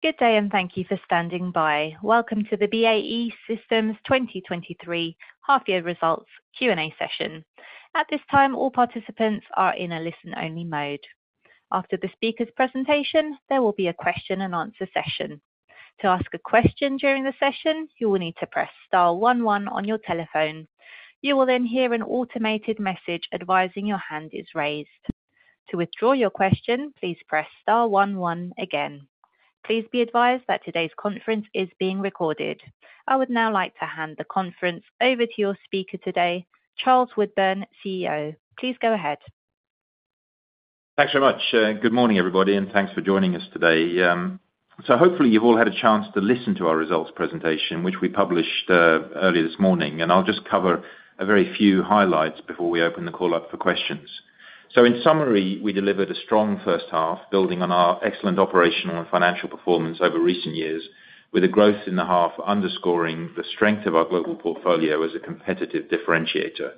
Good day. Thank you for standing by. Welcome to the BAE Systems 2023 H1 Results Q&A session. At this time, all participants are in a listen-only mode. After the speaker's presentation, there will be a question and answer session. To ask a question during the session, you will need to press star one one on your telephone. You will then hear an automated message advising your hand is raised. To withdraw your question, please press star one one again. Please be advised that today's conference is being recorded. I would now like to hand the conference over to your speaker today, Charles Woodburn, CEO. Please go ahead. Thanks very much, good morning, everybody, and thanks for joining us today. Hopefully you've all had a chance to listen to our results presentation, which we published earlier this morning, and I'll just cover a very few highlights before we open the call up for questions. In summary, we delivered a strong first half, building on our excellent operational and financial performance over recent years, with a growth in the half underscoring the strength of our global portfolio as a competitive differentiator.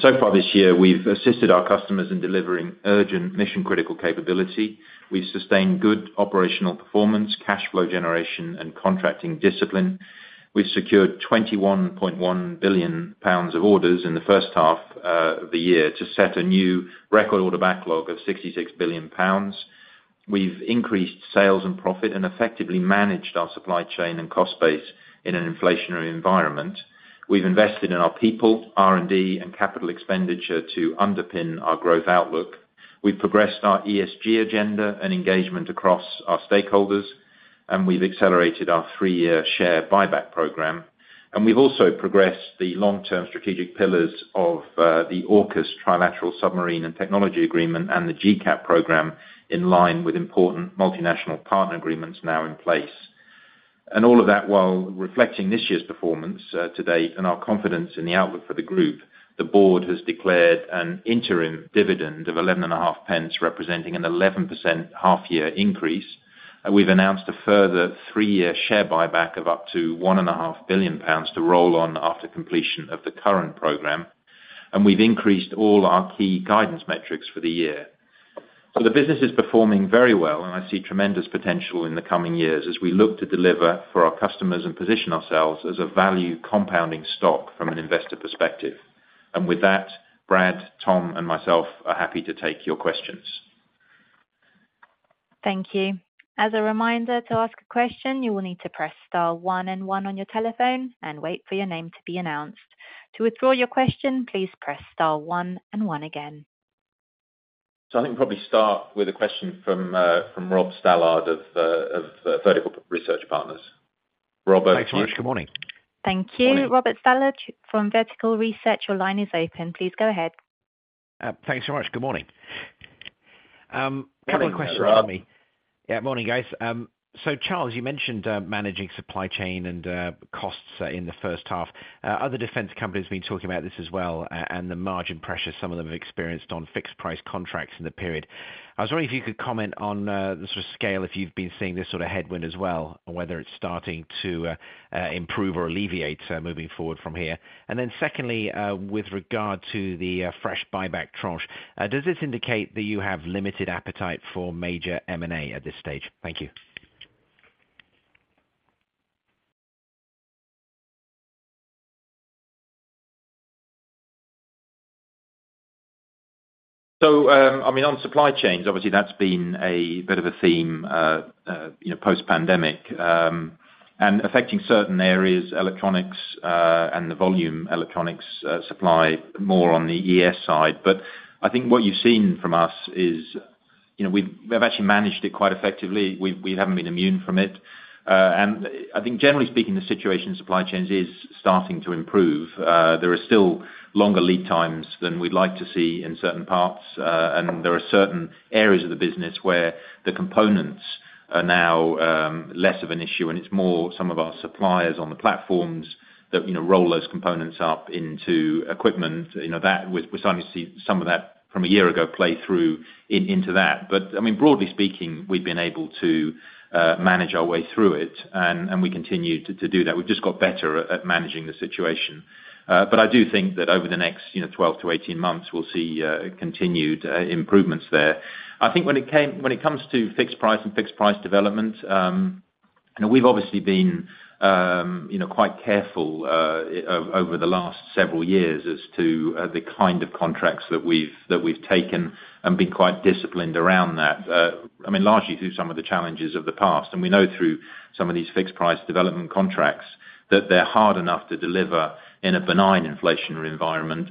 So far this year, we've assisted our customers in delivering urgent mission-critical capability. We've sustained good operational performance, cashflow generation, and contracting discipline. We've secured 21.1 billion pounds of orders in the first half of the year to set a new record order backlog of 66 billion pounds. We've increased sales and profit and effectively managed our supply chain and cost base in an inflationary environment. We've invested in our people, R&D, and capital expenditure to underpin our growth outlook. We've progressed our ESG agenda and engagement across our stakeholders. We've accelerated our three-year share buyback program. We've also progressed the long-term strategic pillars of the AUKUS Trilateral Submarine and Technology Agreement and the GCAP program, in line with important multinational partner agreements now in place. All of that, while reflecting this year's performance to date, and our confidence in the outlook for the group, the board has declared an interim dividend of 0.115, representing an 11% H1 increase. We've announced a further three-year share buyback of up to 1.5 billion pounds to roll on after completion of the current program, and we've increased all our key guidance metrics for the year. The business is performing very well, and I see tremendous potential in the coming years as we look to deliver for our customers and position ourselves as a value compounding stock from an investor perspective. With that, Brad, Tom, and myself are happy to take your questions. Thank you. As a reminder, to ask a question, you will need to press star one and one on your telephone and wait for your name to be announced. To withdraw your question, please press star one and one again. I think probably start with a question from Rob Stallard of Vertical Research Partners. Rob, over to you. Thanks so much. Good morning. Thank you. Morning. Thank you Robert Stallard from Vertical Research, your line is open. Please go ahead. Thanks so much. Good morning. Couple of questions for me. Morning, Rob. Yeah, morning, guys. Charles, you mentioned managing supply chain and costs in the first half. Other defense companies have been talking about this as well, and the margin pressure some of them have experienced on fixed price contracts in the period. I was wondering if you could comment on the sort of scale, if you've been seeing this sort of headwind as well, and whether it's starting to improve or alleviate moving forward from here. Secondly, with regard to the fresh buy-back tranche, does this indicate that you have limited appetite for major M&A at this stage? Thank you. I mean, on supply chains, obviously that's been a bit of a theme post-pandemic, and affecting certain areas, electronics, and the volume electronics supply more on the ES side. I think what you've seen from us is we've actually managed it quite effectively. We've, we haven't been immune from it, and I think generally speaking, the situation, supply chains is starting to improve. There are still longer lead times than we'd like to see in certain parts, and there are certain areas of the business where the components are now less of an issue, and it's more some of our suppliers on the platforms that roll those components up into equipment that we're starting to see some of that from a year ago, play through into that. I mean, broadly speaking, we've been able to manage our way through it, and we continue to do that. We've just got better at managing the situation. I do think that over the next 12-18 months, we'll see continued improvements there. I think when it comes to fixed price and fixed price development we've obviously been quite careful over the last several years as to the kind of contracts that we've, that we've taken and been quite disciplined around that. I mean, largely through some of the challenges of the past, and we know through some of these fixed price development contracts, that they're hard enough to deliver in a benign inflationary environment.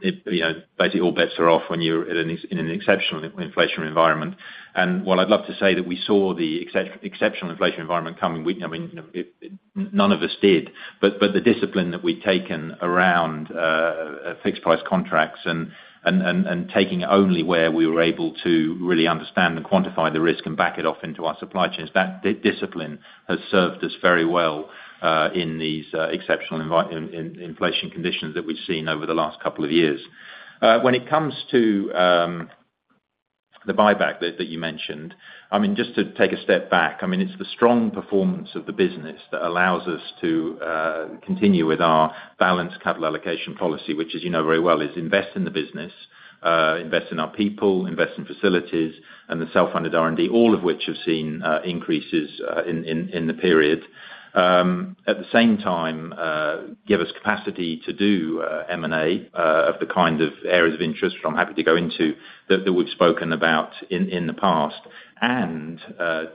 It basically, all bets are off when you're at an exceptional inflationary environment. While I'd love to say that we saw the exceptional inflation environment coming, we, I mean, none of us did. The discipline that we've taken around fixed price contracts and, and, and, and taking only where we were able to really understand and quantify the risk and back it off into our supply chains, that discipline has served us very well in these exceptional inflation conditions that we've seen over the last couple of years. When it comes to the buyback that you mentioned, I mean, just to take a step back, I mean, it's the strong performance of the business that allows us to continue with our balanced capital allocation policy, which very well, is invest in the business, invest in our people, invest in facilities, and the self-funded R&D, all of which have seen increases in the period. give us capacity to do M&A of the kind of areas of interest, which I'm happy to go into, that we've spoken about in the past, and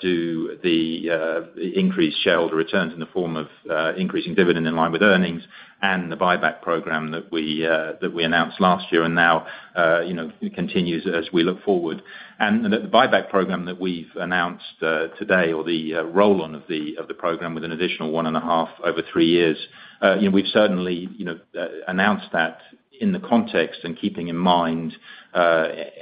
do the increase shareholder returns in the form of increasing dividend in line with earnings, and the buyback program that we announced last year and now continues as we look forward. The buyback program that we've announced today, or the roll-on of the program with an additional $1.5 billion over 3 years, we've certainly announced that in the context and keeping in mind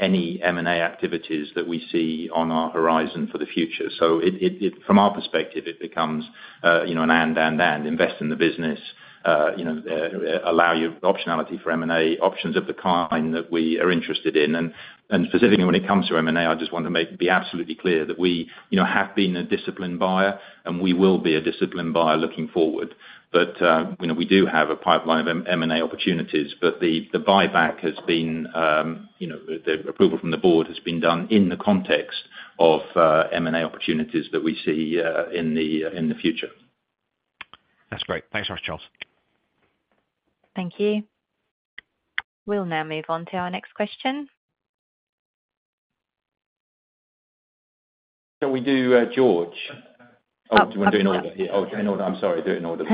any M&A activities that we see on our horizon for the future It from our perspective, it becomes invest in the business allow you optionality for M&A, options of the kind that we are interested in. Specifically when it comes to M&A, I just want to make be absolutely clear that we have been a disciplined buyer, and we will be a disciplined buyer looking forward. We do have a pipeline of M&A opportunities, but the, the buyback has been the approval from the board has been done in the context of M&A opportunities that we see in the in the future. That's great. Thanks very much, Charles. Thank you. We'll now move on to our next question. Can we do, George? Do you wanna do in order here? Oh, in order. I'm sorry, do it in order.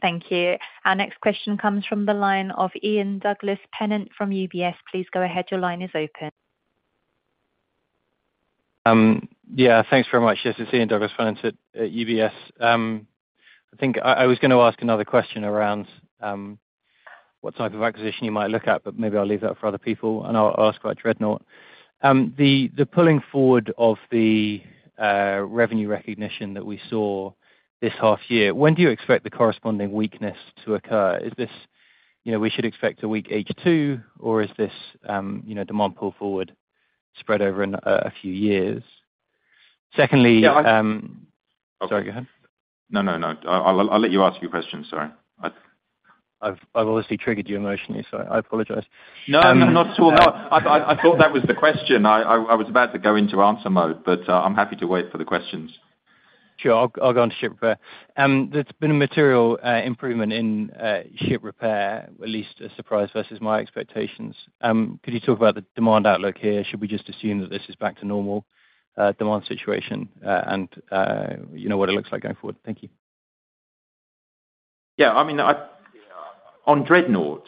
Thank you. Our next question comes from the line of Ian Douglas-Pennant from UBS. Please go ahead. Your line is open. Yeah, thanks very much. This is Ian Douglas-Pennant at, at UBS. I think I was gonna ask another question around, what type of acquisition you might look at, but maybe I'll leave that for other people, and I'll ask about Dreadnought. The, the pulling forward of the, revenue recognition that we saw this H1, when do you expect the corresponding weakness to occur? Is this we should expect a weak H2, or is this demand pull forward spread over an, a few years? Secondly. Yeah. Sorry, go ahead. No. I'll let you ask your question, sorry.- I've obviously triggered you emotionally, so I apologize. No, not at all. I thought that was the question. I was about to go into answer mode, but I'm happy to wait for the questions. Sure. I'll go on to ship repair. There's been a material improvement in ship repair, at least a surprise versus my expectations. Could you talk about the demand outlook here? Should we just assume that this is back to normal demand situation, and what it looks like going forward? Thank you. Yeah, I mean, on Dreadnought,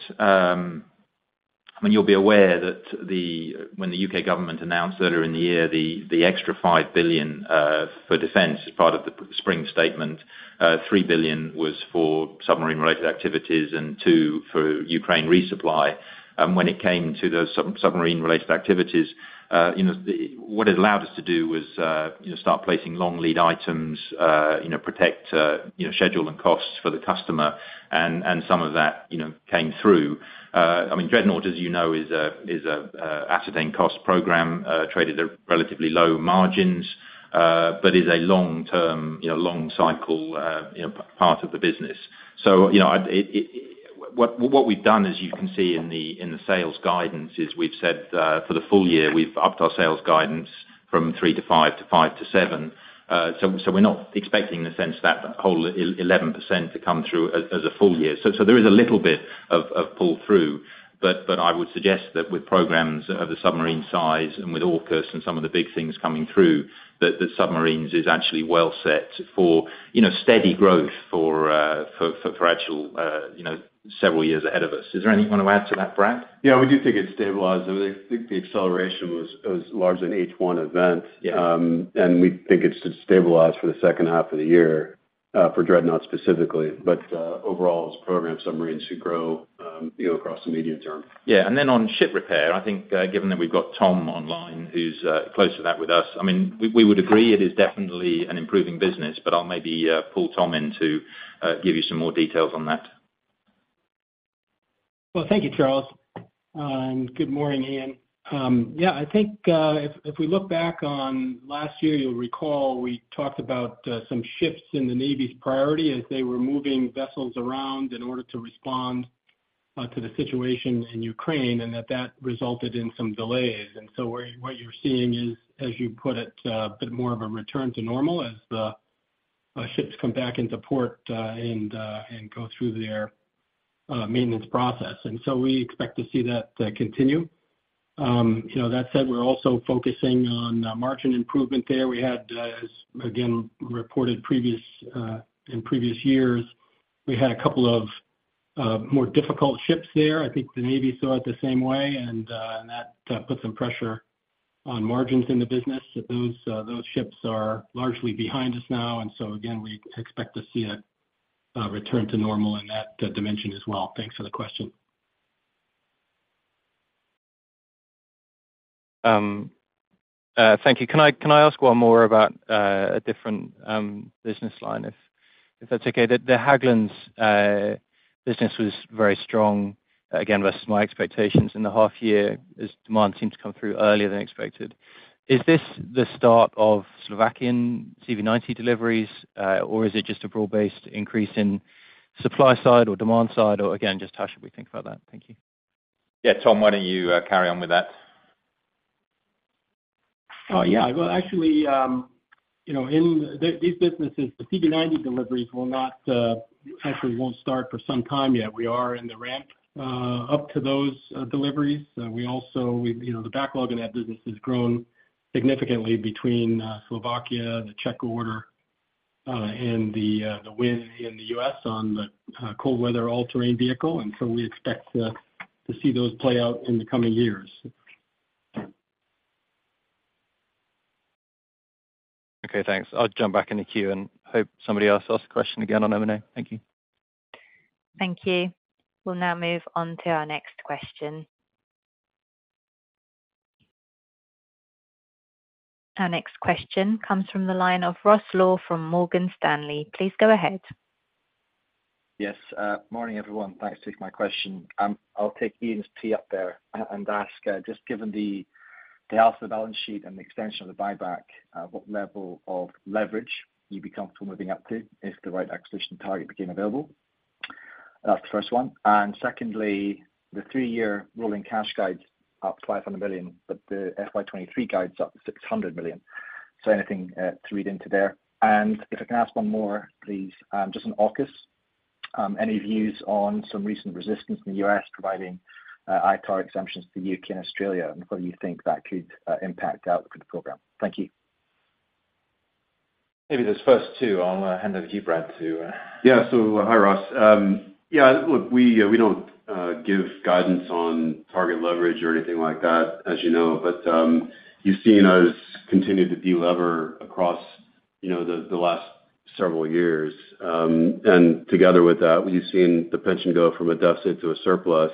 I mean, you'll be aware that when the UK government announced later in the year, the, the extra 5 billion for defense as part of the spring statement, 3 billion was for submarine-related activities and 2 billion for Ukraine resupply. When it came to the submarine-related activities what it allowed us to do was start placing long lead items protect schedule and costs for the customer. Some of that came through. I mean, Dreadnought is a ascertained cost program, traded at relatively low margins, but is a long-term long cycle part of the business. What we've done, as you can see in the, in the sales guidance, is we've said, for the full year, we've upped our sales guidance from 3%-5%, to 5%-7%. We're not expecting in the sense that whole 11% to come through as, as a full year. There is a little bit of, of pull through, but, but I would suggest that with programs of the submarine size and with AUKUS and some of the big things coming through, that the submarines is actually well set for steady growth for actual several years ahead of us. Is there anything you want to add to that, Brad? Yeah, we do think it's stabilized. I think the acceleration was, was largely an H1 event. Yeah. We think it's stabilized for the second half of the year, for Dreadnought specifically, but overall, as program submarines should grow across the medium term. Yeah, and then on ship repair, I think, given that we've got Tom online, who's, close to that with us, I mean, we, we would agree it is definitely an improving business, but I'll maybe, pull Tom in to, give you some more details on that. Well, thank you, Charles. Good morning, Ian. Yeah, I think, if, if we look back on last year, you'll recall we talked about some shifts in the Navy's priority as they were moving vessels around in order to respond to the situation in Ukraine, that, that resulted in some delays. What, what you're seeing is, as you put it, a bit more of a return to normal as the ships come back into port, and go through their maintenance process. We expect to see that continue. That said, we're also focusing on margin improvement there. We had, as again, reported previous in previous years, we had a couple of more difficult ships there. I think the Navy saw it the same way, and, and that, put some pressure on margins in the business. Those ships are largely behind us now, and so again, we expect to see a, return to normal in that, dimension as well. Thanks for the question. Thank you. Can I, can I ask one more about a different business line, if, if that's okay? The, the Hägglunds business was very strong, again, versus my expectations in the H1, as demand seemed to come through earlier than expected. Is this the start of Slovakian CV90 deliveries, or is it just a broad-based increase in supply side or demand side, or again, just how should we think about that? Thank you. Yeah. Tom, why don't you carry on with that? Oh, yeah. Well, actually in these businesses, the CV90 deliveries will not actually won't start for some time yet. We are in the ramp up to those deliveries. We also the backlog in that business has grown significantly between Slovakia, the Czech order, and the win in the US on the Cold Weather All-Terrain Vehicle, and so we expect to see those play out in the coming years. Okay, thanks. I'll jump back in the queue and hope somebody else asks a question again on M&A. Thank you. Thank you. We'll now move on to our next question. Our next question comes from the line of Ross Law from Morgan Stanley. Please go ahead. Yes, morning, everyone. Thanks for taking my question. I'll take Ian's tee up there and ask, just given the health of the balance sheet and the extension of the buyback, what level of leverage you'd be comfortable moving up to if the right acquisition target became available? That's the first one. Secondly, the three-year rolling cash guide's up 500 million, but the FY 2023 guide's up 600 million. Anything to read into there? If I can ask one more, please, just on AUKUS, any views on some recent resistance in the US providing ITAR exemptions to the UK and Australia, and whether you think that could impact out the program? Thank you. Maybe this first 2, I'll hand over to you, Brad, to. Yeah. Hi, Ross. Yeah, look, we don't give guidance on target leverage or anything like that. But, you've seen us continue to deliver across the last several years. And together with that, you've seen the pension go from a deficit to a surplus.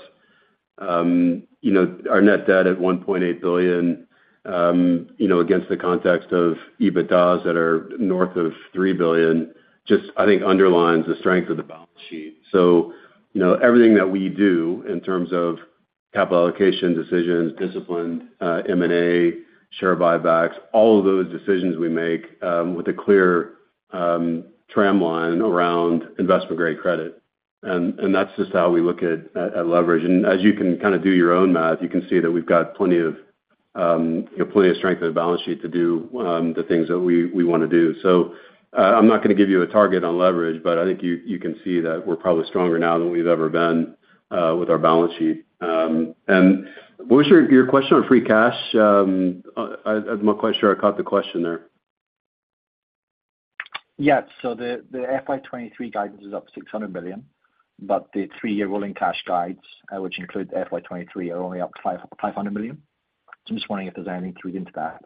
Our net debt at 1.8 billion against the context of EBITDAs that are north of 3 billion, just, I think, underlines the strength of the balance sheet. Everything that we do in terms of capital allocation decisions, discipline, M&A, share buybacks, all of those decisions we make, with a clear tramline around investment-grade credit. And that's just how we look at leverage. As you can kinda do your own math, you can see that we've got plenty of strength on the balance sheet to do the things that we, we wanna do. I'm not gonna give you a target on leverage, but I think you, you can see that we're probably stronger now than we've ever been with our balance sheet. What was your, your question on free cash? I, I'm not quite sure I caught the question there. The FY 2023 guidance is up $600 million, but the 3-year rolling cash guides, which include FY 2023, are only up $500 million. I'm just wondering if there's anything to read into that?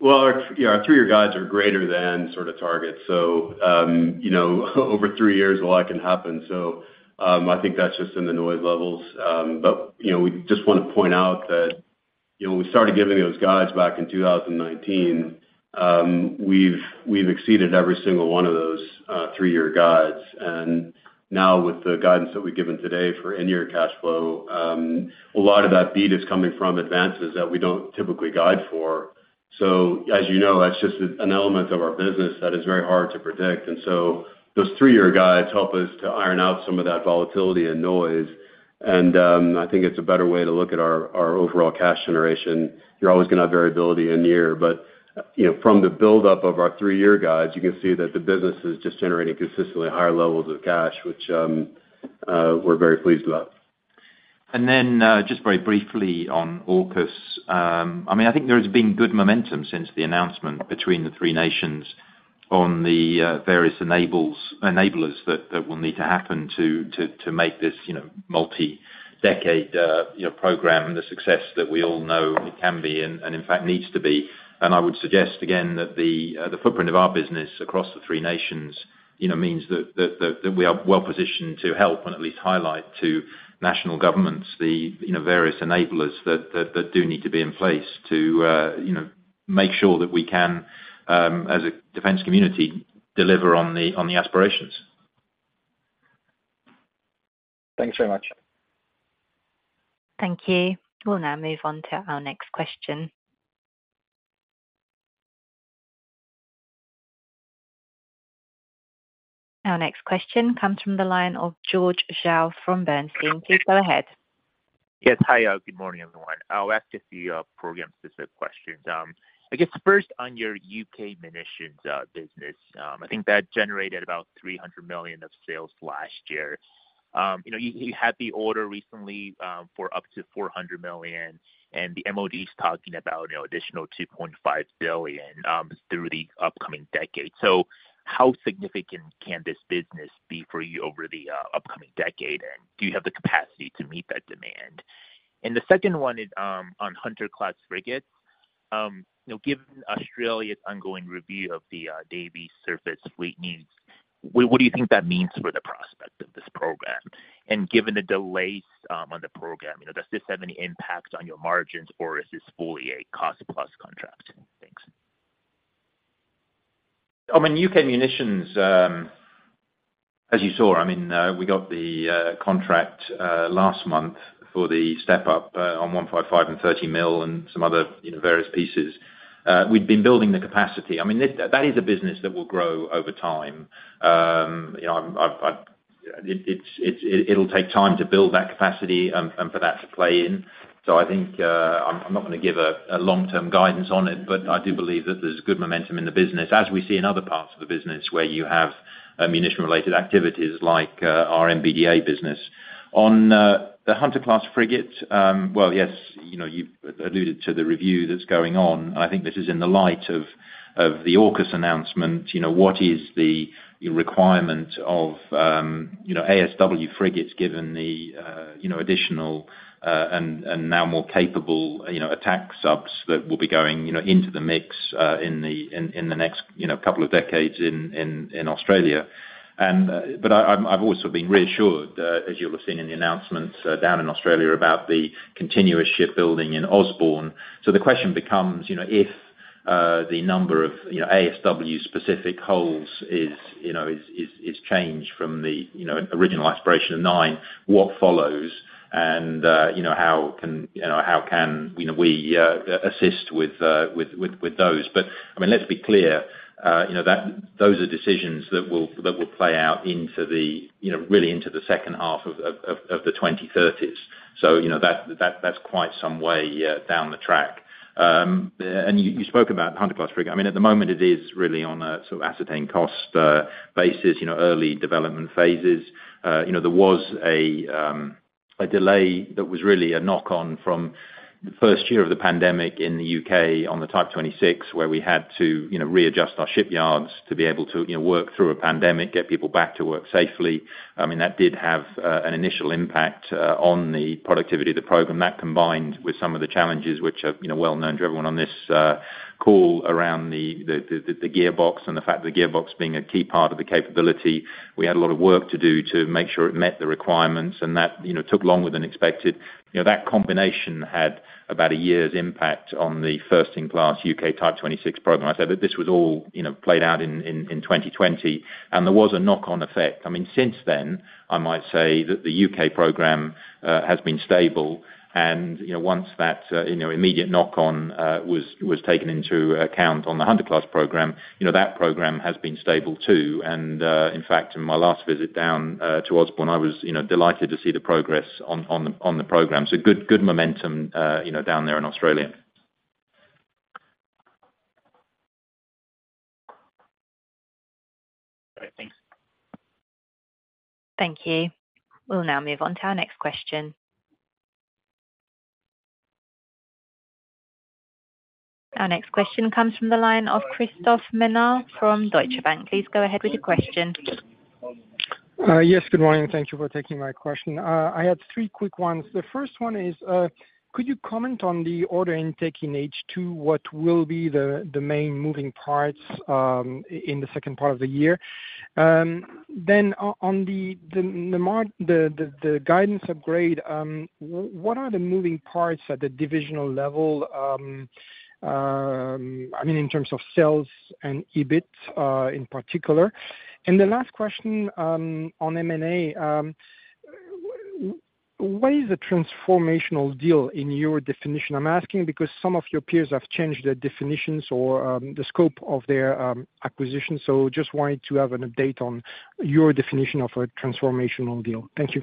Well, our, yeah, our 3-year guides are greater than sort of targets. Over 3 years, a lot can happen. I think that's just in the noise levels. We just want to point out that, when we started giving those guides back in 2019, we've, we've exceeded every single one of those 3-year guides. Now with the guidance that we've given today for in-year cash flow, a lot of that beat is coming from advances that we don't typically guide for. That's just an element of our business that is very hard to predict. Those 3-year guides help us to iron out some of that volatility and noise, and I think it's a better way to look at our, our overall cash generation. You're always gonna have variability in year from the buildup of our three-year guides, you can see that the business is just generating consistently higher levels of cash, which we're very pleased about. Just very briefly on AUKUS. I mean, I think there has been good momentum since the announcement between the three nations on the various enablers that will need to happen to make this multi-decade program, the success that we all know it can be and in fact, needs to be. I would suggest again, that the footprint of our business across the three nations means that we are well positioned to help and at least highlight to national governments the various enablers that do need to be in place to make sure that we can as a defense community, deliver on the aspirations. Thanks very much. Thank you. We'll now move on to our next question. Our next question comes from the line of George Zhao from Bernstein. Please go ahead. Yes. Hi, good morning, everyone. I'll ask a few program-specific questions. I guess first on your UK munitions business, I think that generated about 300 million of sales last year. You had the order recently for up to 400 million, and the MOD is talking about additional 2.5 billion through the upcoming decade. How significant can this business be for you over the upcoming decade, and do you have the capacity to meet that demand? The second one is on Hunter-class frigates. Given Australia's ongoing review of the navy surface fleet needs, what, what do you think that means for the prospect of this program? Given the delays, on the program, does this have any impact on your margins, or is this fully a cost-plus contract? Thanks. I mean, UK Munitions, as you saw, I mean, we got the contract last month for the step up on 155mm and 30mm and some other various pieces. We'd been building the capacity. I mean, this, that is a business that will grow over time. I'm, it'll take time to build that capacity, and for that to play in. I think, I'm not gonna give a long-term guidance on it, but I do believe that there's good momentum in the business, as we see in other parts of the business where you have ammunition-related activities, like, our MBDA business. On the Hunter-class frigate, well, yes, you've alluded to the review that's going on. I think this is in the light of, of the AUKUS announcement, what is the, the requirement of ASW frigates, given the additional, and, and now more capable attack subs that will be going into the mix, in the next couple of decades in Australia? But I've also been reassured, as you'll have seen in the announcements, down in Australia, about the continuous shipbuilding in Osborne. The question becomes if the number of ASW-specific holes is changed from the original aspiration of 9, what follows, and how can we assist with those? I mean, let's be clear that those are decisions that will, that will play out into the really into the second half of the 2030s. That's quite some way down the track. You, you spoke about Hunter-class frigate. I mean, at the moment, it is really on a sort of ascertained cost basis early development phases. There was a delay that was really a knock-on from the first year of the pandemic in the UK on the Type 26, where we had to readjust our shipyards to be able to work through a pandemic, get people back to work safely. I mean, that did have an initial impact on the productivity of the program. That, combined with some of the challenges which are well known to everyone on this call around the gearbox and the fact that the gearbox being a key part of the capability, we had a lot of work to do to make sure it met the requirements, and that took longer than expected. That combination had about a year's impact on the first-in-class UK Type 26 program. I said that this was all played out in 2020, and there was a knock-on effect. I mean, since then, I might say that the UK program has been stable, and once that immediate knock-on was taken into account on the Hunter-class program, that program has been stable, too. In fact, in my last visit down to Osborne, I was delighted to see the progress on, on the, on the program. Good momentum down there in Australia. All right. Thanks. Thank you. We'll now move on to our next question. Our next question comes from the line of Christophe Ménard from Deutsche Bank. Please go ahead with your question. Yes, good morning, thank you for taking my question. I had 3 quick ones. The first one is, could you comment on the order intake in H2? What will be the main moving parts in the 2nd part of the year? On the guidance upgrade, what are the moving parts at the divisional level, I mean, in terms of sales and EBIT, in particular? The last question, on M&A, what is a transformational deal in your definition? I'm asking because some of your peers have changed their definitions or the scope of their acquisition, just wanted to have an update on your definition of a transformational deal. Thank you.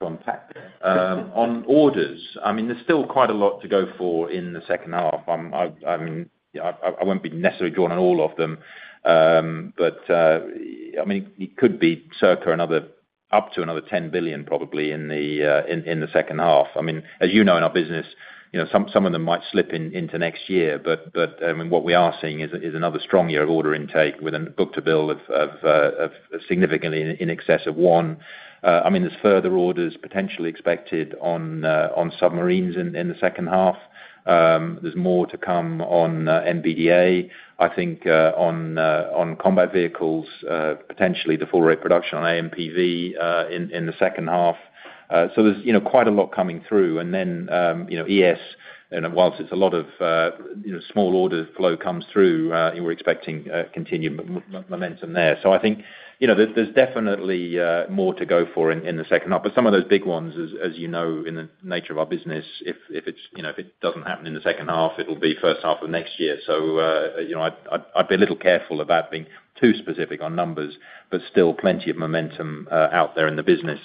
On orders, I mean, there's still quite a lot to go for in the second half. I, I mean, I, I won't be necessarily drawn on all of them. I mean, it could be circa another, up to another 10 billion, probably in the, in, in the second half. I mean, in our business, some of them might slip in, into next year. What we are seeing is, is another strong year of order intake with a book-to-bill of, of, of, of significantly in excess of one. I mean, there's further orders potentially expected on, on submarines in, in the second half. There's more to come on, MBDA. I think on combat vehicles, potentially the full rate production on AMPV in the second half. There's quite a lot coming through. Then, ES, and whilst it's a lot of small order flow comes through, we're expecting continued momentum there. I think there's, there's definitely more to go for in the second half, but some of those big ones, as in the nature of our business, if, it doesn't happen in the second half, it'll be first half of next year. I'd be a little careful about being too specific on numbers, but still plenty of momentum out there in the business.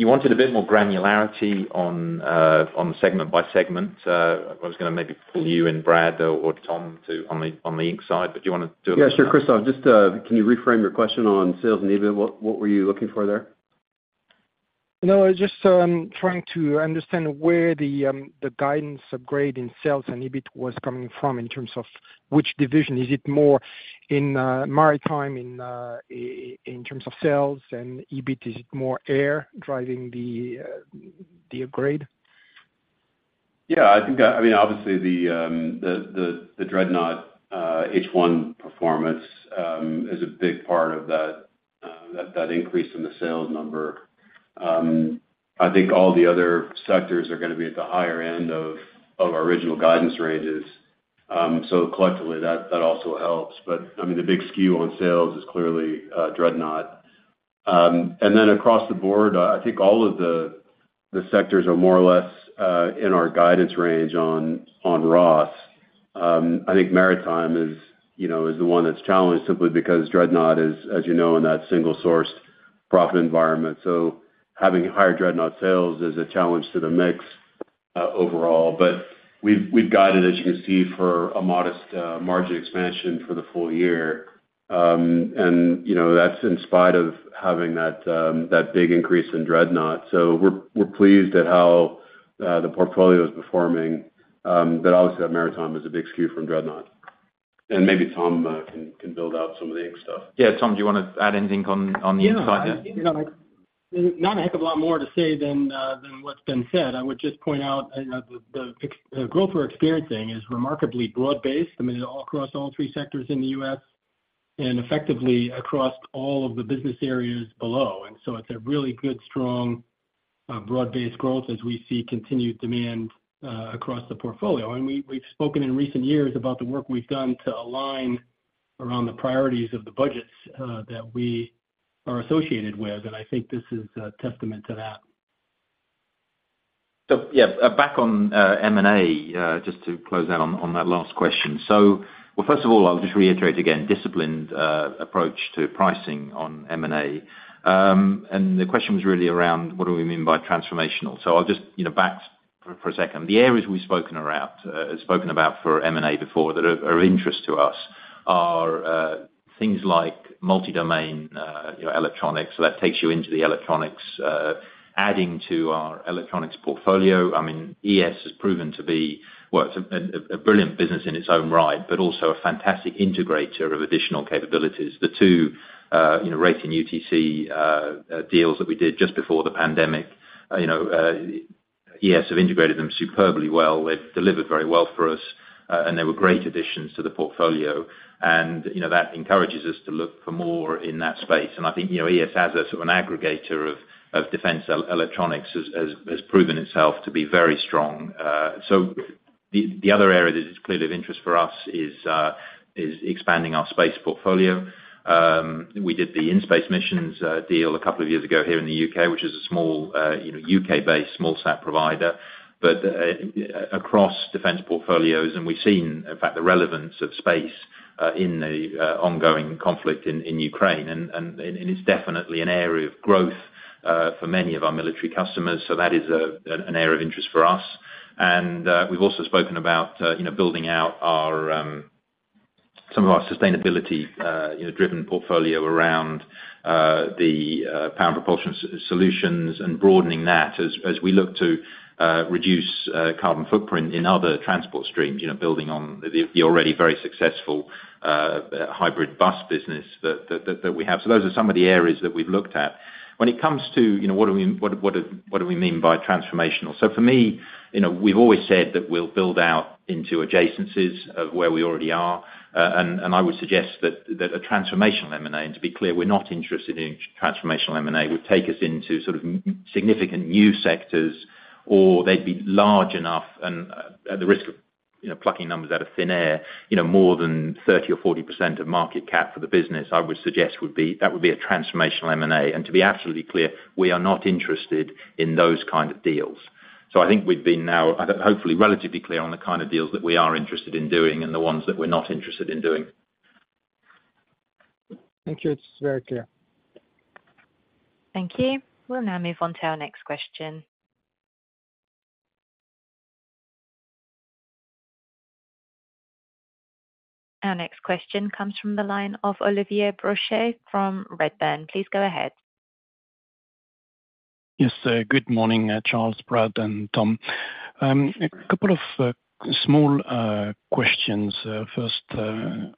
You wanted a bit more granularity on, on the segment by segment. I was gonna maybe pull you and Brad or Tom to, on the, on the Inc. side, but do you wanna do it? Yeah, sure, Christophe, just, can you reframe your question on sales and EBIT? What, what were you looking for there? No, I was just trying to understand where the guidance upgrade in sales and EBIT was coming from, in terms of which division. Is it more in maritime, in terms of sales and EBIT? Is it more Air, driving the upgrade? Yeah, I think, I mean, obviously the Dreadnought H1 performance is a big part of that, that increase in the sales number. I think all the other sectors are gonna be at the higher end of our original guidance ranges. So collectively, that also helps, but I mean the big skew on sales is clearly Dreadnought. Then across the board, I think all of the sectors are more or less in our guidance range on ROS. I think Maritime is the one that's challenged simply because Dreadnought is, as in that single source profit environment. Having higher Dreadnought sales is a challenge to the mix, overall, but we've, we've guided, as you can see, for a modest, margin expansion for the full year. That's in spite of having that, that big increase in Dreadnought. We're pleased at how the portfolio is performing. Obviously that Maritime is a big skew from Dreadnought. Maybe Tom can, can build out some of the Inc. stuff. Yeah. Tom, do you wanna add anything on, on the Inc. side? Yeah, I think not a heck of a lot more to say than what's been said. I would just point out, the growth we're experiencing is remarkably broad-based. I mean, all across all three sectors in the US and effectively across all of the business areas below. So it's a really good, strong, broad-based growth as we see continued demand across the portfolio. We, we've spoken in recent years about the work we've done to align around the priorities of the budgets that we are associated with, and I think this is a testament to that. Yeah, back on M&A, just to close out on that last question. Well, first of all, I'll just reiterate again, disciplined approach to pricing on M&A. And the question was really around what do we mean by transformational? I'll just back for a second. The areas we've spoken around, spoken about for M&A before that are of interest to us are things like multi-domain electronics. That takes you into the electronics, adding to our electronics portfolio. I mean, ES has proven to be, well, it's a brilliant business in its own right, but also a fantastic integrator of additional capabilities. The two Raytheon UTC deals that we did just before the pandemic ES have integrated them superbly well. They've delivered very well for us. They were great additions to the portfolio. That encourages us to look for more in that space. I think ES as a sort of an aggregator of, of defense electronics has proven itself to be very strong. The other area that is clearly of interest for us is expanding our space portfolio. We did the In-Space Missions deal 2 years ago here in the UK, which is a small UK-based, small sat provider. Across defense portfolios, and we've seen, in fact, the relevance of space in the ongoing conflict in Ukraine. And, and it's definitely an area of growth for many of our military customers, so that is a, an area of interest for us. We've also spoken about building out our some of our sustainability driven portfolio around the power propulsion solutions and broadening that as, as we look to reduce carbon footprint in other transport streams building on the, the already very successful hybrid bus business that, that, that we have. Those are some of the areas that we've looked at. When it comes to what do we mean by transformational? For me, we've always said that we'll build out into adjacencies of where we already are. And I would suggest that, that a transformational M&A, and to be clear, we're not interested in transformational M&A, would take us into sort of significant new sectors, or they'd be large enough and, at the risk of plucking numbers out of thin air more than 30% or 40% of market cap for the business, I would suggest would be, that would be a transformational M&A. To be absolutely clear, we are not interested in those kind of deals. I think we've been now, I hope, hopefully relatively clear on the kind of deals that we are interested in doing and the ones that we're not interested in doing. Thank you. It's very clear. Thank you. We'll now move on to our next question. Our next question comes from the line of Olivier Brochet from Redburn. Please go ahead. Yes, good morning, Charles, Brad, and Tom. A couple of small questions. First,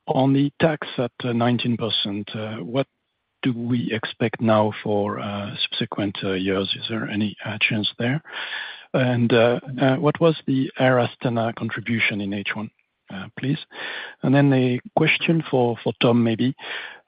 on the tax at 19%, what do we expect now for subsequent years? Is there any chance there? What was the Air Astana contribution in H1, please? Then a question for Tom, maybe.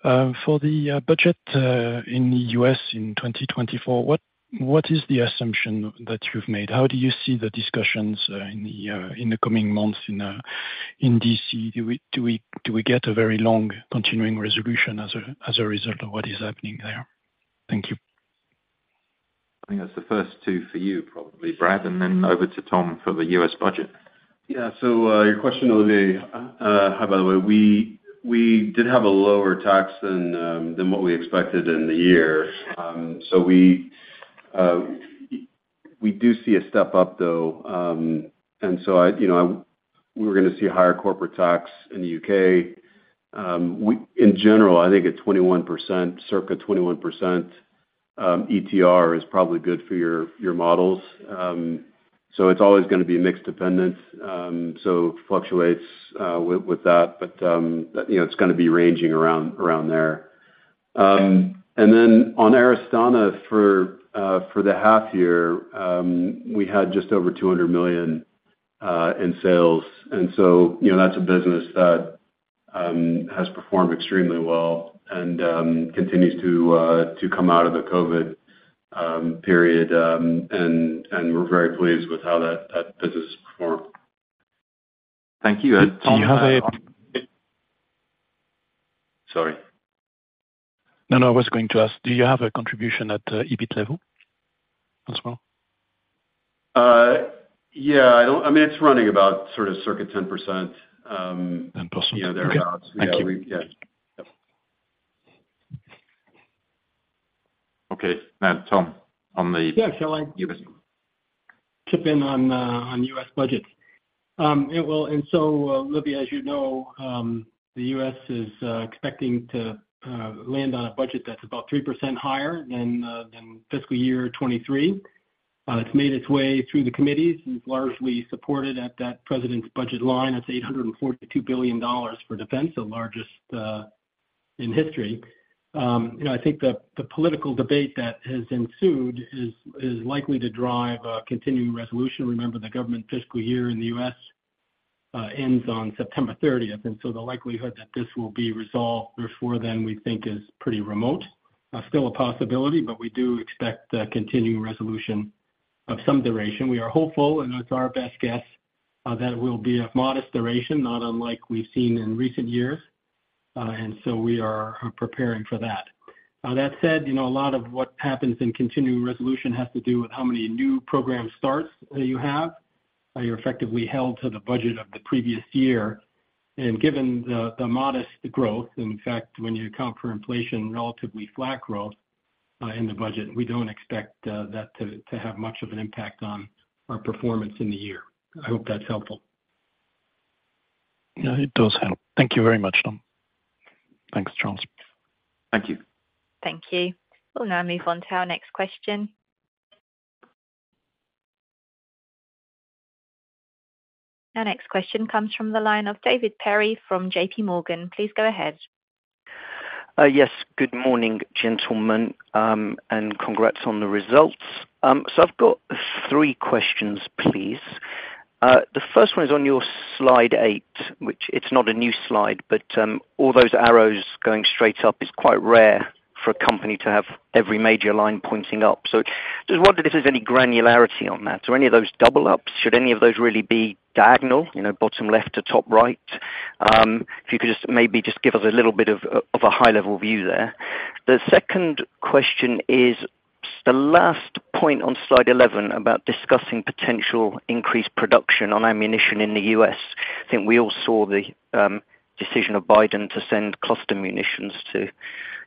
For the budget in the US in 2024, what is the assumption that you've made? How do you see the discussions in the coming months in D.C.? Do we get a very long continuing resolution as a result of what is happening there? Thank you. I think that's the first two for you, probably, Brad, and then over to Tom for the US budget. Yeah. Your question, Olivier, by the way, we, we did have a lower tax than, than what we expected in the year. We do see a step up, though, and so I, we're gonna see a higher corporate tax in the UK. We, in general, I think a 21%, circa 21%, ETR is probably good for your, your models. It's always gonna be mix dependent, so fluctuates with that it's gonna be ranging around, around there. Then on Air Astana, for the H1, we had just over 200 million in sales, and so that's a business that has performed extremely well and continues to come out of the Covid period, and, and we're very pleased with how that, that business performed.... Thank you. Do you have a- Sorry. No, no, I was going to ask, do you have a contribution at the EBIT level as well? Yeah, I don't, I mean, it's running about sort of circa 10%. 10%. Yeah, there about. Thank you. Yeah. Yep. Okay. Now, Tom, on the- Yeah, shall I- US. Chip in on US budgets? Yeah, well, Olivier, the US is expecting to land on a budget that's about 3% higher than fiscal year 2023. It's made its way through the committees and is largely supported at that President's budget line. That's $842 billion for defense, the largest in history. I think the political debate that has ensued is likely to drive a continuing resolution. Remember, the government fiscal year in the US ends on September 30th, and so the likelihood that this will be resolved before then, we think is pretty remote. Still a possibility, but we do expect a continuing resolution of some duration. We are hopeful, and that's our best guess, that it will be a modest duration, not unlike we've seen in recent years. We are preparing for that. That said, a lot of what happens in continuing resolution has to do with how many new program starts you have. You're effectively held to the budget of the previous year. Given the, the modest growth, in fact, when you account for inflation, relatively flat growth in the budget, we don't expect that to have much of an impact on our performance in the year. I hope that's helpful. Yeah, it does help. Thank you very much, Tom. Thanks, Charles. Thank you. Thank you. We'll now move on to our next question. Our next question comes from the line of David Perry from JPMorgan. Please go ahead. Yes. Good morning, gentlemen, congrats on the results. I've got 3 questions, please. The first one is on your slide 8, which it's not a new slide, but all those arrows going straight up, is quite rare for a company to have every major line pointing up. Just wonder if there's any granularity on that, or any of those double up? Should any of those really be diagonal, bottom left to top right? If you could just maybe just give us a little bit of, of a high-level view there. The second question is, the last point on slide 11, about discussing potential increased production on ammunition in the US. I think we all saw the decision of Biden to send cluster munitions to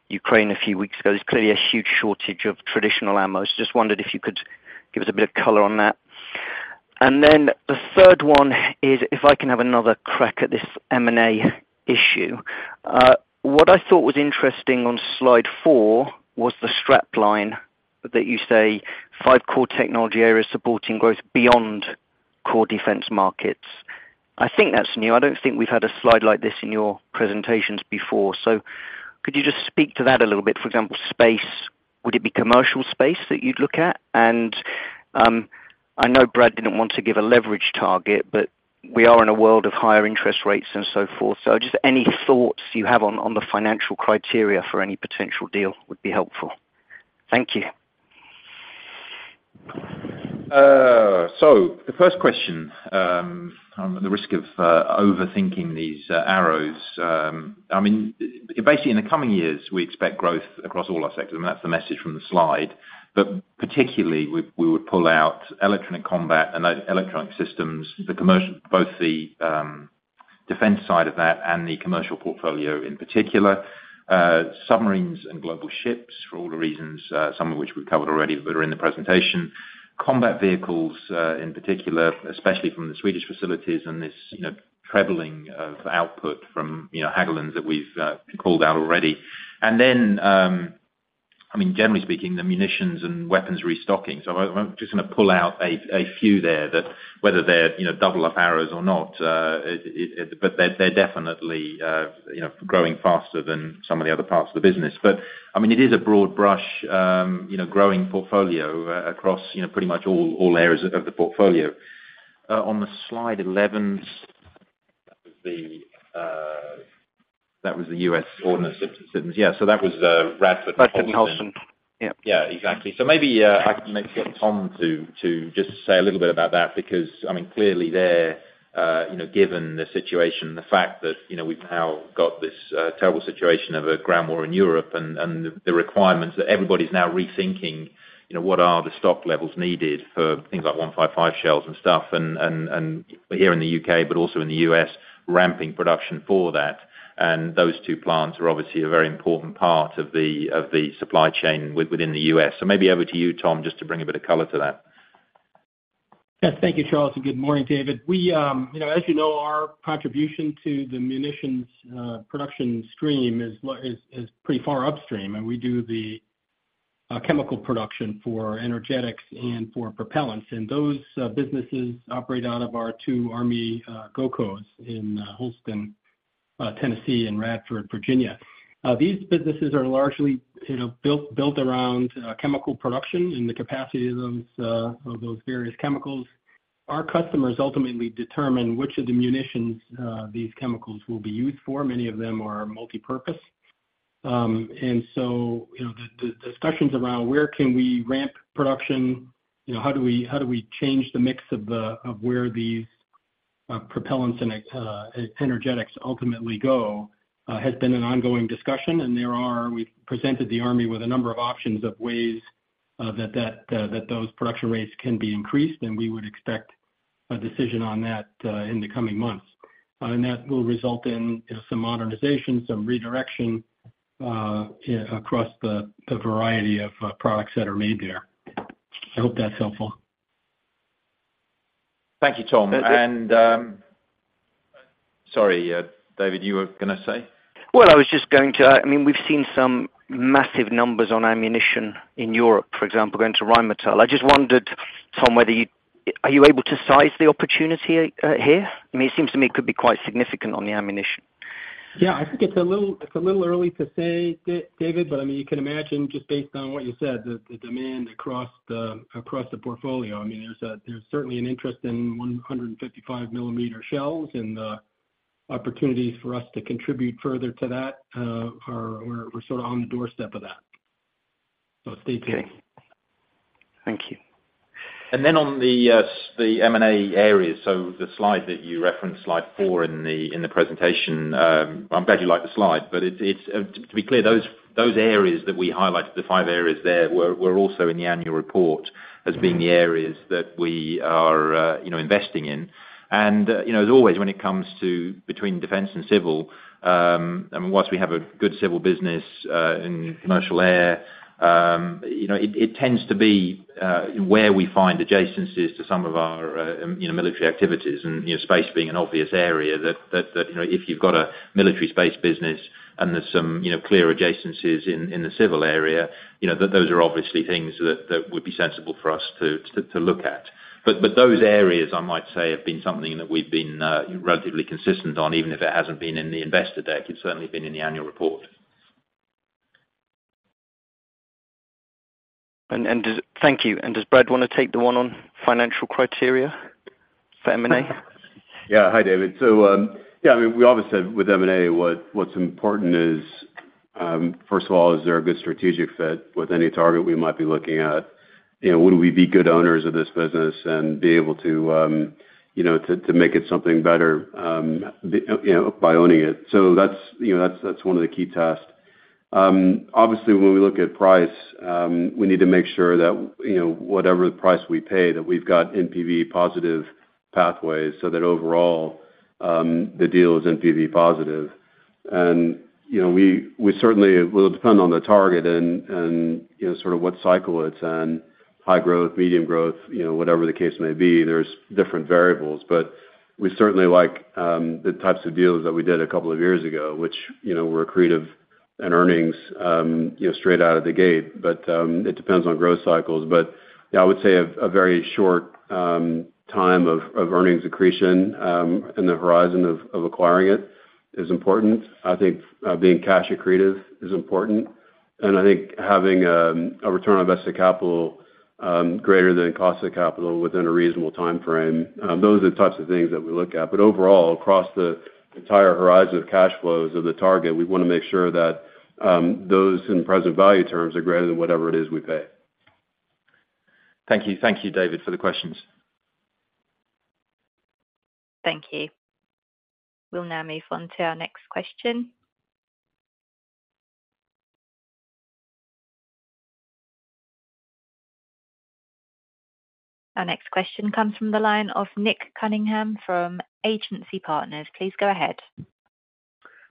Ukraine a few weeks ago. There's clearly a huge shortage of traditional ammos. Just wondered if you could give us a bit of color on that. The third one is, if I can have another crack at this M&A issue. What I thought was interesting on slide four, was the strap line that you say, "Five core technology areas supporting growth beyond core defense markets." I think that's new. I don't think we've had a slide like this in your presentations before. Could you just speak to that a little bit? For example, space, would it be commercial space that you'd look at? I know Brad didn't want to give a leverage target, but we are in a world of higher interest rates and so forth. Just any thoughts you have on, on the financial criteria for any potential deal would be helpful. Thank you. The first question, I mean, basically, in the coming years, we expect growth across all our sectors, and that's the message from the slide. Particularly, we, we would pull out electronic combat and Electronic Systems, the commercial-- both the defense side of that and the commercial portfolio in particular, submarines and global ships, for all the reasons, some of which we've covered already, but are in the presentation. Combat vehicles, in particular, especially from the Swedish facilities and this, trebling of output from Hägglunds, that we've called out already. I mean, generally speaking, the munitions and weapons restocking. I'm just gonna pull out a, a few there that whether they're double-up arrows or not, they're definitely growing faster than some of the other parts of the business. I mean, it is a broad brush growing portfolio across pretty much all, all areas of the portfolio. On the slide 11, the, that was the Ordnance Systems Inc.. That was, Radford. Radford, Holston. Yeah. Yeah, exactly. So maybe, I can maybe get Tom to just say a little bit about that, because, I mean, clearly there, given the situation, the fact that, we've now got this terrible situation of a ground war in Europe, and the requirements that everybody's now rethinking, what are the stock levels needed for things like 155mm shells and stuff, and here in the UK, but also in the US, ramping production for that. Those two plants are obviously a very important part of the supply chain within the US. So maybe over to you, Tom, just to bring a bit of color to that. Yes, thank you, Charles, and good morning, David. Our contribution to the munitions production stream is pretty far upstream. We do the chemical production for energetics and for propellants. Those businesses operate out of our 2 army GOCOs in Holston, Tennessee and Radford, Virginia. These businesses are largely built around chemical production and the capacity of those of those various chemicals. Our customers ultimately determine which of the munitions these chemicals will be used for. Many of them are multipurpose.... The discussions around where can we ramp production, how do we change the mix of where these propellants and energetics ultimately go, has been an ongoing discussion, and there are— we've presented the Army with a number of options of ways that those production rates can be increased, and we would expect a decision on that in the coming months. And that will result in some modernization, some redirection, across the variety of products that are made there. I hope that's helpful. Thank you, Tom. Sorry, David, you were gonna say? Well, I was just going to, I mean, we've seen some massive numbers on ammunition in Europe, for example, going to Rheinmetall. I just wondered, Tom, whether you, are you able to size the opportunity here? I mean, it seems to me it could be quite significant on the ammunition. Yeah, I think it's a little, it's a little early to say, David, but I mean, you can imagine, just based on what you said, that the demand across the, across the portfolio, I mean, there's a, there's certainly an interest in 155 millimeter shells and, opportunities for us to contribute further to that, are, we're sort of on the doorstep of that. Stay tuned. Thank you. On the, the M&A areas, so the slide that you referenced, slide 4 in the, in the presentation, I'm glad you like the slide, but it's, it's, to be clear, those, those areas that we highlighted, the 5 areas there, were, were also in the annual report as being the areas that we are investing in. As always, when it comes to between defense and civil, and once we have a good civil business in commercial air it tends to be where we find adjacencies to some of our military activities and space being an obvious area that if you've got a military space business and there's some clear adjacencies in the civil area those are obviously things that would be sensible for us to, to, to look at. Those areas, I might say, have been something that we've been relatively consistent on, even if it hasn't been in the investor deck. It's certainly been in the annual report. Thank you. Does Brad want to take the one on financial criteria for M&A? Yeah. Hi, David. Yeah, I mean, we obviously said with M&A, what, what's important is, first of all, is there a good strategic fit with any target we might be looking at? Would we be good owners of this business and be able to make it something better by owning it? That's one of the key tests. Obviously, when we look at price, we need to make sure that whatever price we pay, that we've got NPV positive pathways, so that overall, the deal is NPV positive. We certainly, it will depend on the target and sort of what cycle it's in, high growth, medium growth whatever the case may be, there's different variables. We certainly like, the types of deals that we did a couple of years ago, which were accretive and earnings straight out of the gate. It depends on growth cycles. Yeah, I would say a, a very short, time of, of earnings accretion, in the horizon of, of acquiring it is important. I think, being cash accretive is important, and I think having, a return on invested capital, greater than cost of capital within a reasonable timeframe, those are the types of things that we look at. Overall, across the entire horizon of cash flows of the target, we wanna make sure that, those in present value terms are greater than whatever it is we pay. Thank you. Thank you, David, for the questions. Thank you. We'll now move on to our next question. Our next question comes from the line of Nick Cunningham from Agency Partners. Please go ahead.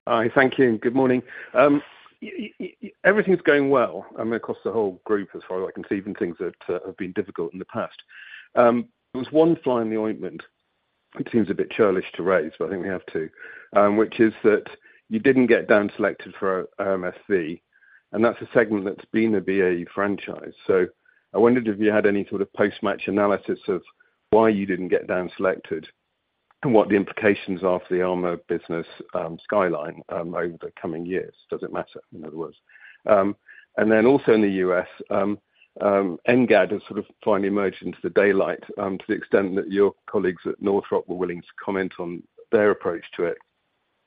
Hi, thank you, and good morning. Everything's going well, I mean, across the whole group, as far as I can see, even things that have been difficult in the past. There was one fly in the ointment, it seems a bit churlish to raise, but I think we have to, which is that you didn't get down selected for OMFV, and that's a segment that's been a BAE franchise. I wondered if you had any sort of post-match analysis of why you didn't get down selected, and what the implications are for the armor business skyline over the coming years. Does it matter, in other words? Then also in the US, NGAD has sort of finally emerged into the daylight, to the extent that your colleagues at Northrop were willing to comment on their approach to it.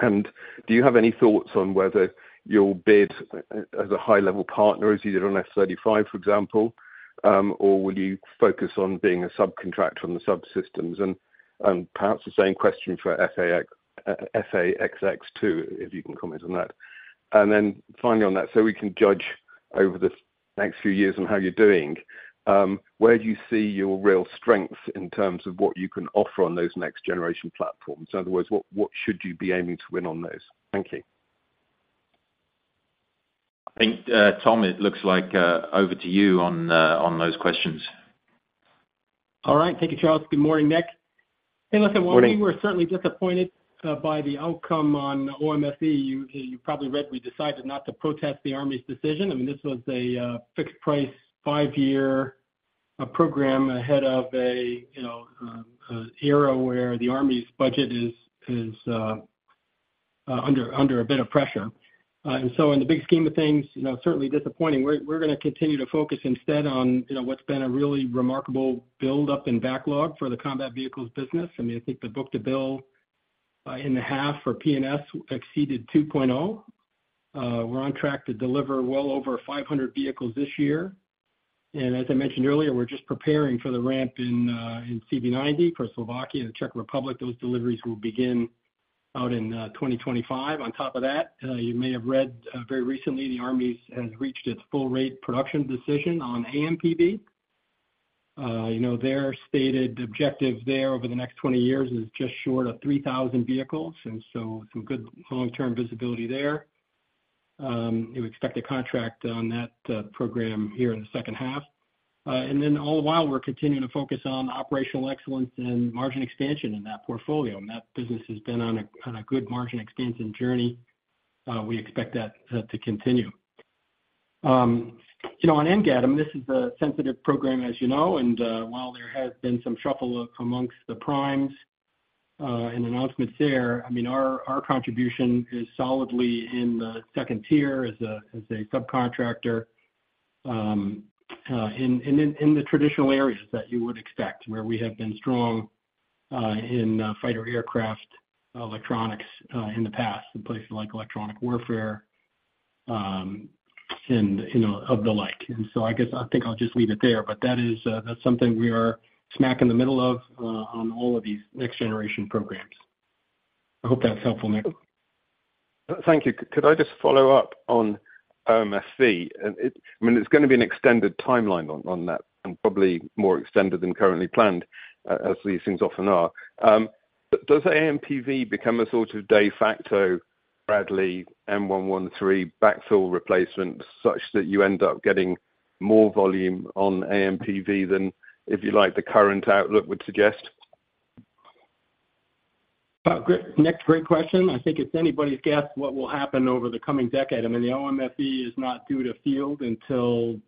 Do you have any thoughts on whether you'll bid as a high-level partner, as you did on F-35, for example, or will you focus on being a subcontractor on the subsystems? Perhaps the same question for SAX, SAXX 2, if you can comment on that. Then finally on that, so we can judge over the next few years on how you're doing, where do you see your real strength in terms of what you can offer on those next generation platforms? In other words, what, what should you be aiming to win on those? Thank you. I think, Tom, it looks like, over to you on, on those questions. All right. Thank you, Charles. Good morning, Nick. Hey, listen, while- Morning. We were certainly disappointed by the outcome on OMFV you probably read we decided not to protest the Army's decision. I mean, this was a fixed price, 5-year program ahead of a era where the Army's budget is, is under, under a bit of pressure. So in the big scheme of things, certainly disappointing. We're, we're gonna continue to focus instead on what's been a really remarkable buildup in backlog for the combat vehicles business. I mean, I think the book to bill in the half for P&S exceeded 2.0. We're on track to deliver well over 500 vehicles this year. As I mentioned earlier, we're just preparing for the ramp in CV90 for Slovakia and the Czech Republic. Those deliveries will begin out in 2025. On top of that, you may have read very recently, the Army has reached its full rate production decision on AMPV. Their stated objective there over the next 20 years is just short of 3,000 vehicles, and so some good long-term visibility there. You expect a contract on that program here in the second half. Then all the while, we're continuing to focus on operational excellence and margin expansion in that portfolio, and that business has been on a good margin expansion journey. We expect that to continue. On NGAD, I mean, this is a sensitive program, and while there has been some shuffle amongst the primes, and announcements there, I mean, our, our contribution is solidly in the second tier as a, as a subcontractor, in, in, in the traditional areas that you would expect, where we have been strong, in fighter aircraft, electronics, in the past, in places like electronic warfare, and of the like. So I guess, I think I'll just leave it there, but that is, that's something we are smack in the middle of, on all of these next generation programs. I hope that's helpful, Nick. Thank you. Could I just follow up on OMSE? I mean, it's going to be an extended timeline on, on that, and probably more extended than currently planned, as these things often are. Does AMPV become a sort of de facto Bradley M113 backfill replacement, such that you end up getting more volume on AMPV than, if you like, the current outlook would suggest? Great. Nick, great question. I think it's anybody's guess what will happen over the coming decade. I mean, the OMFV is not due to field until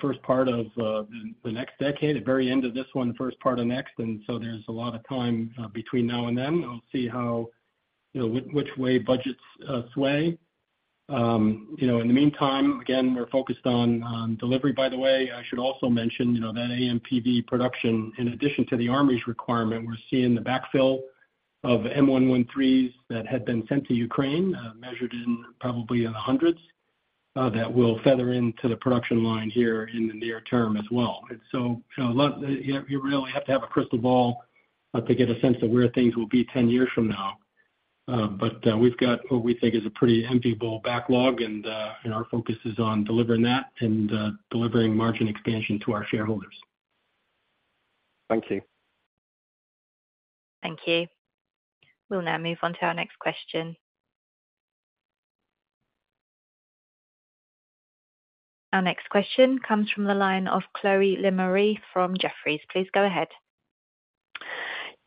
first part of the next decade, at very end of this one, the first part of next, and so there's a lot of time between now and then. I'll see how which way budgets sway. In the meantime, again, we're focused on, on delivery. By the way, I should also mention that AMPV production, in addition to the Army's requirement, we're seeing the backfill of M113s that had been sent to Ukraine, measured in probably in the hundreds that will feather into the production line here in the near term as well. You really have to have a crystal ball, to get a sense of where things will be 10 years from now. We've got what we think is a pretty enviable backlog, and our focus is on delivering that and delivering margin expansion to our shareholders. Thank you. Thank you. We'll now move on to our next question. Our next question comes from the line of Chloe Lemaire from Jefferies. Please go ahead.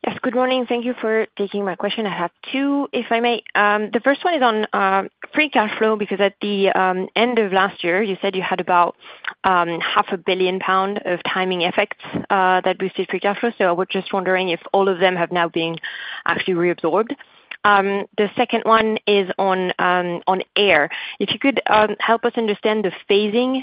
Yes, good morning. Thank you for taking my question. I have two, if I may. The first one is on free cash flow, because at the end of last year, you said you had about 500 million pound of timing effects that boosted free cash flow. I was just wondering if all of them have now been actually reabsorbed. The second one is on on air. If you could help us understand the phasing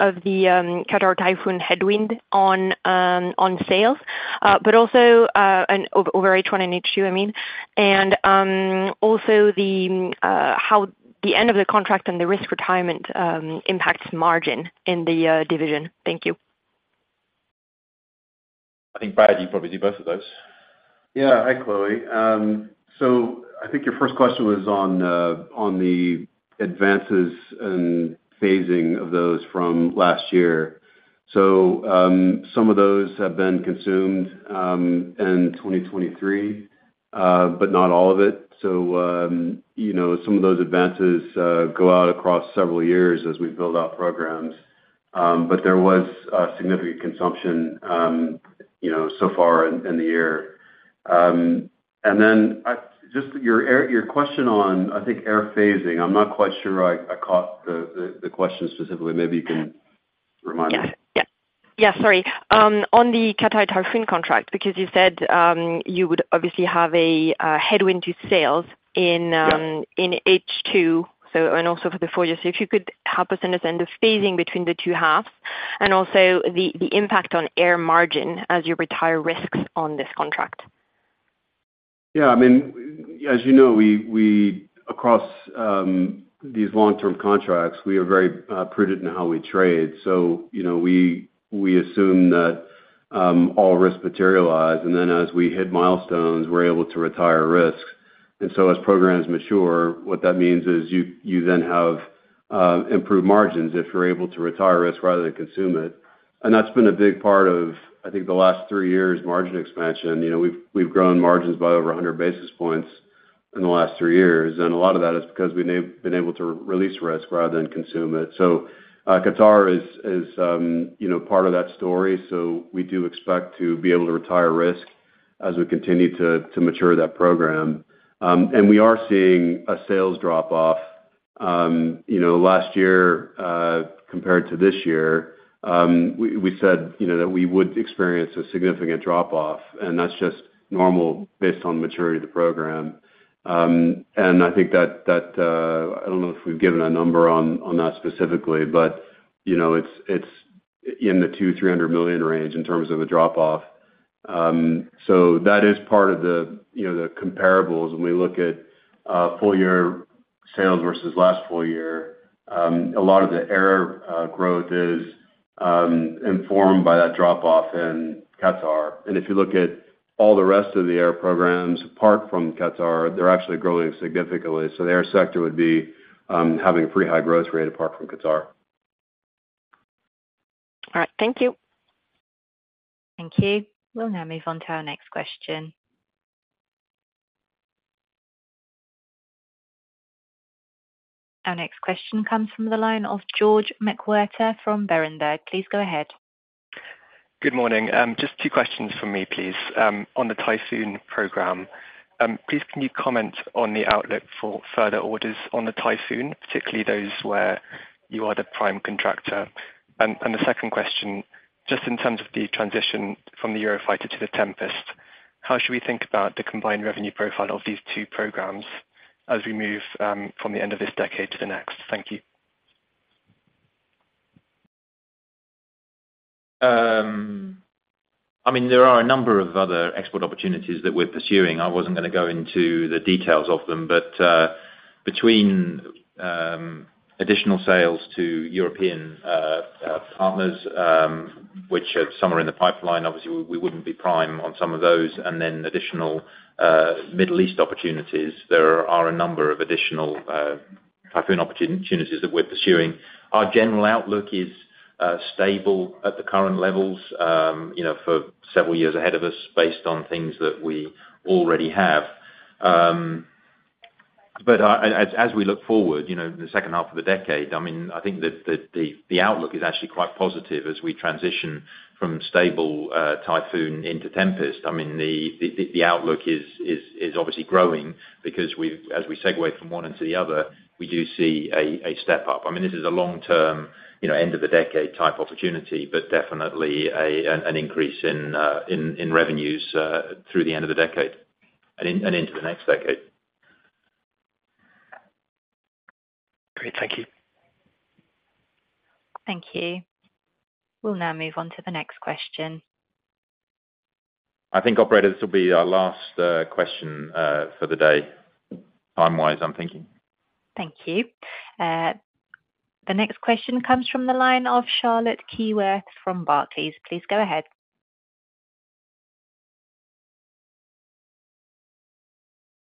of the Qatar Typhoon headwind on sales, but also, and over, over H1 and H2, I mean, and also the how the end of the contract and the risk retirement impacts margin in the division. Thank you. I think, Brad, you probably do both of those. Yeah. Hi, Chloe. I think your first question was on the advances and phasing of those from last year. Some of those have been consumed in 2023, but not all of it. Some of those advances go out across several years as we build out programs, but there was a significant consumption, so far in the year. Then, just your question on, I think, air phasing, I'm not quite sure I caught the question specifically. Maybe you can remind me. Yeah. Yeah. Yeah, sorry. On the Qatar Typhoon contract, because you said, you would obviously have a headwind to sales in- Yeah. in H2, so, and also for the full year. If you could help us understand the phasing between the two halves and also the impact on air margin as you retire risks on this contract? Yeah, I mean, as we across these long-term contracts, we are very prudent in how we trade. We, we assume that all risks materialize, and then as we hit milestones, we're able to retire risks. As programs mature, what that means is you, you then have improved margins if you're able to retire risk rather than consume it. That's been a big part of, I think, the last 3 years, margin expansion. We've grown margins by over 100 basis points in the last 3 years, and a lot of that is because we've been able to release risk rather than consume it. Qatar is part of that story, we do expect to be able to retire risk as we continue to, to mature that program. We are seeing a sales drop-off, last year, compared to this year. We said that we would experience a significant drop-off, and that's just normal based on the maturity of the program. I think that, that, I don't know if we've given a number on, on that specifically, but it's in the 200 million-300 million range in terms of a drop-off. That is part of the comparables. When we look at full year sales versus last full year, a lot of the air growth is informed by that drop-off in Qatar. If you look at all the rest of the air programs, apart from Qatar, they're actually growing significantly. The air sector would be having a pretty high growth rate apart from Qatar. All right, thank you. Thank you. We'll now move on to our next question. Our next question comes from the line of George McWhirtre from Berenberg. Please go ahead. Good morning. Just two questions from me, please. On the Typhoon program, please, can you comment on the outlook for further orders on the Typhoon, particularly those where you are the prime contractor? The second question, just in terms of the transition from the Eurofighter to the Tempest, how should we think about the combined revenue profile of these two programs as we move from the end of this decade to the next? Thank you. I mean, there are a number of other export opportunities that we're pursuing. I wasn't gonna go into the details of them, but between additional sales to European partners, which are some are in the pipeline, obviously, we, we wouldn't be prime on some of those, and then additional Middle East opportunities, there are a number of additional Typhoon opportunities that we're pursuing. Our general outlook is stable at the current levels for several years ahead of us, based on things that we already have. As, as we look forward in the second half of the decade, I mean, I think that, that the, the outlook is actually quite positive as we transition from stable Typhoon into Tempest. I mean, the, the, the outlook is, is, is obviously growing because as we segue from one into the other, we do see a, a step up. I mean, this is a long-term end-of-the-decade type opportunity, but definitely a, an, an increase in, in, in revenues, through the end of the decade and in, and into the next decade. Great, thank you. Thank you. We'll now move on to the next question. I think, operator, this will be our last question for the day, time-wise, I'm thinking. Thank you. The next question comes from the line of Charlotte Keywood from Barclays. Please go ahead.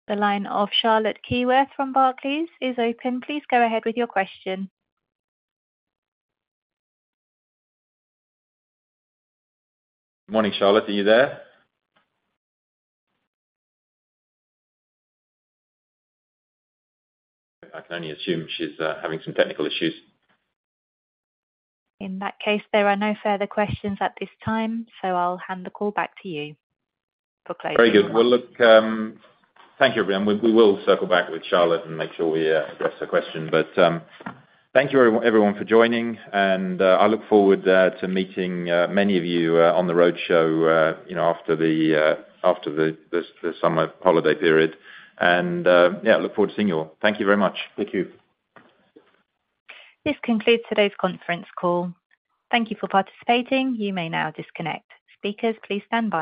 The line of Charlotte Keywood from Barclays is open. Please go ahead with your question. Morning, Charlotte, are you there? I can only assume she's having some technical issues. In that case, there are no further questions at this time, so I'll hand the call back to you for closing. Very good. Well, look, thank you, everyone. We, we will circle back with Charlotte and make sure we address her question. Thank you everyone for joining. I look forward to meeting many of you on the road show after the summer holiday period. Yeah, look forward to seeing you all. Thank you very much. Thank you. This concludes today's conference call. Thank you for participating. You may now disconnect. Speakers, please stand by.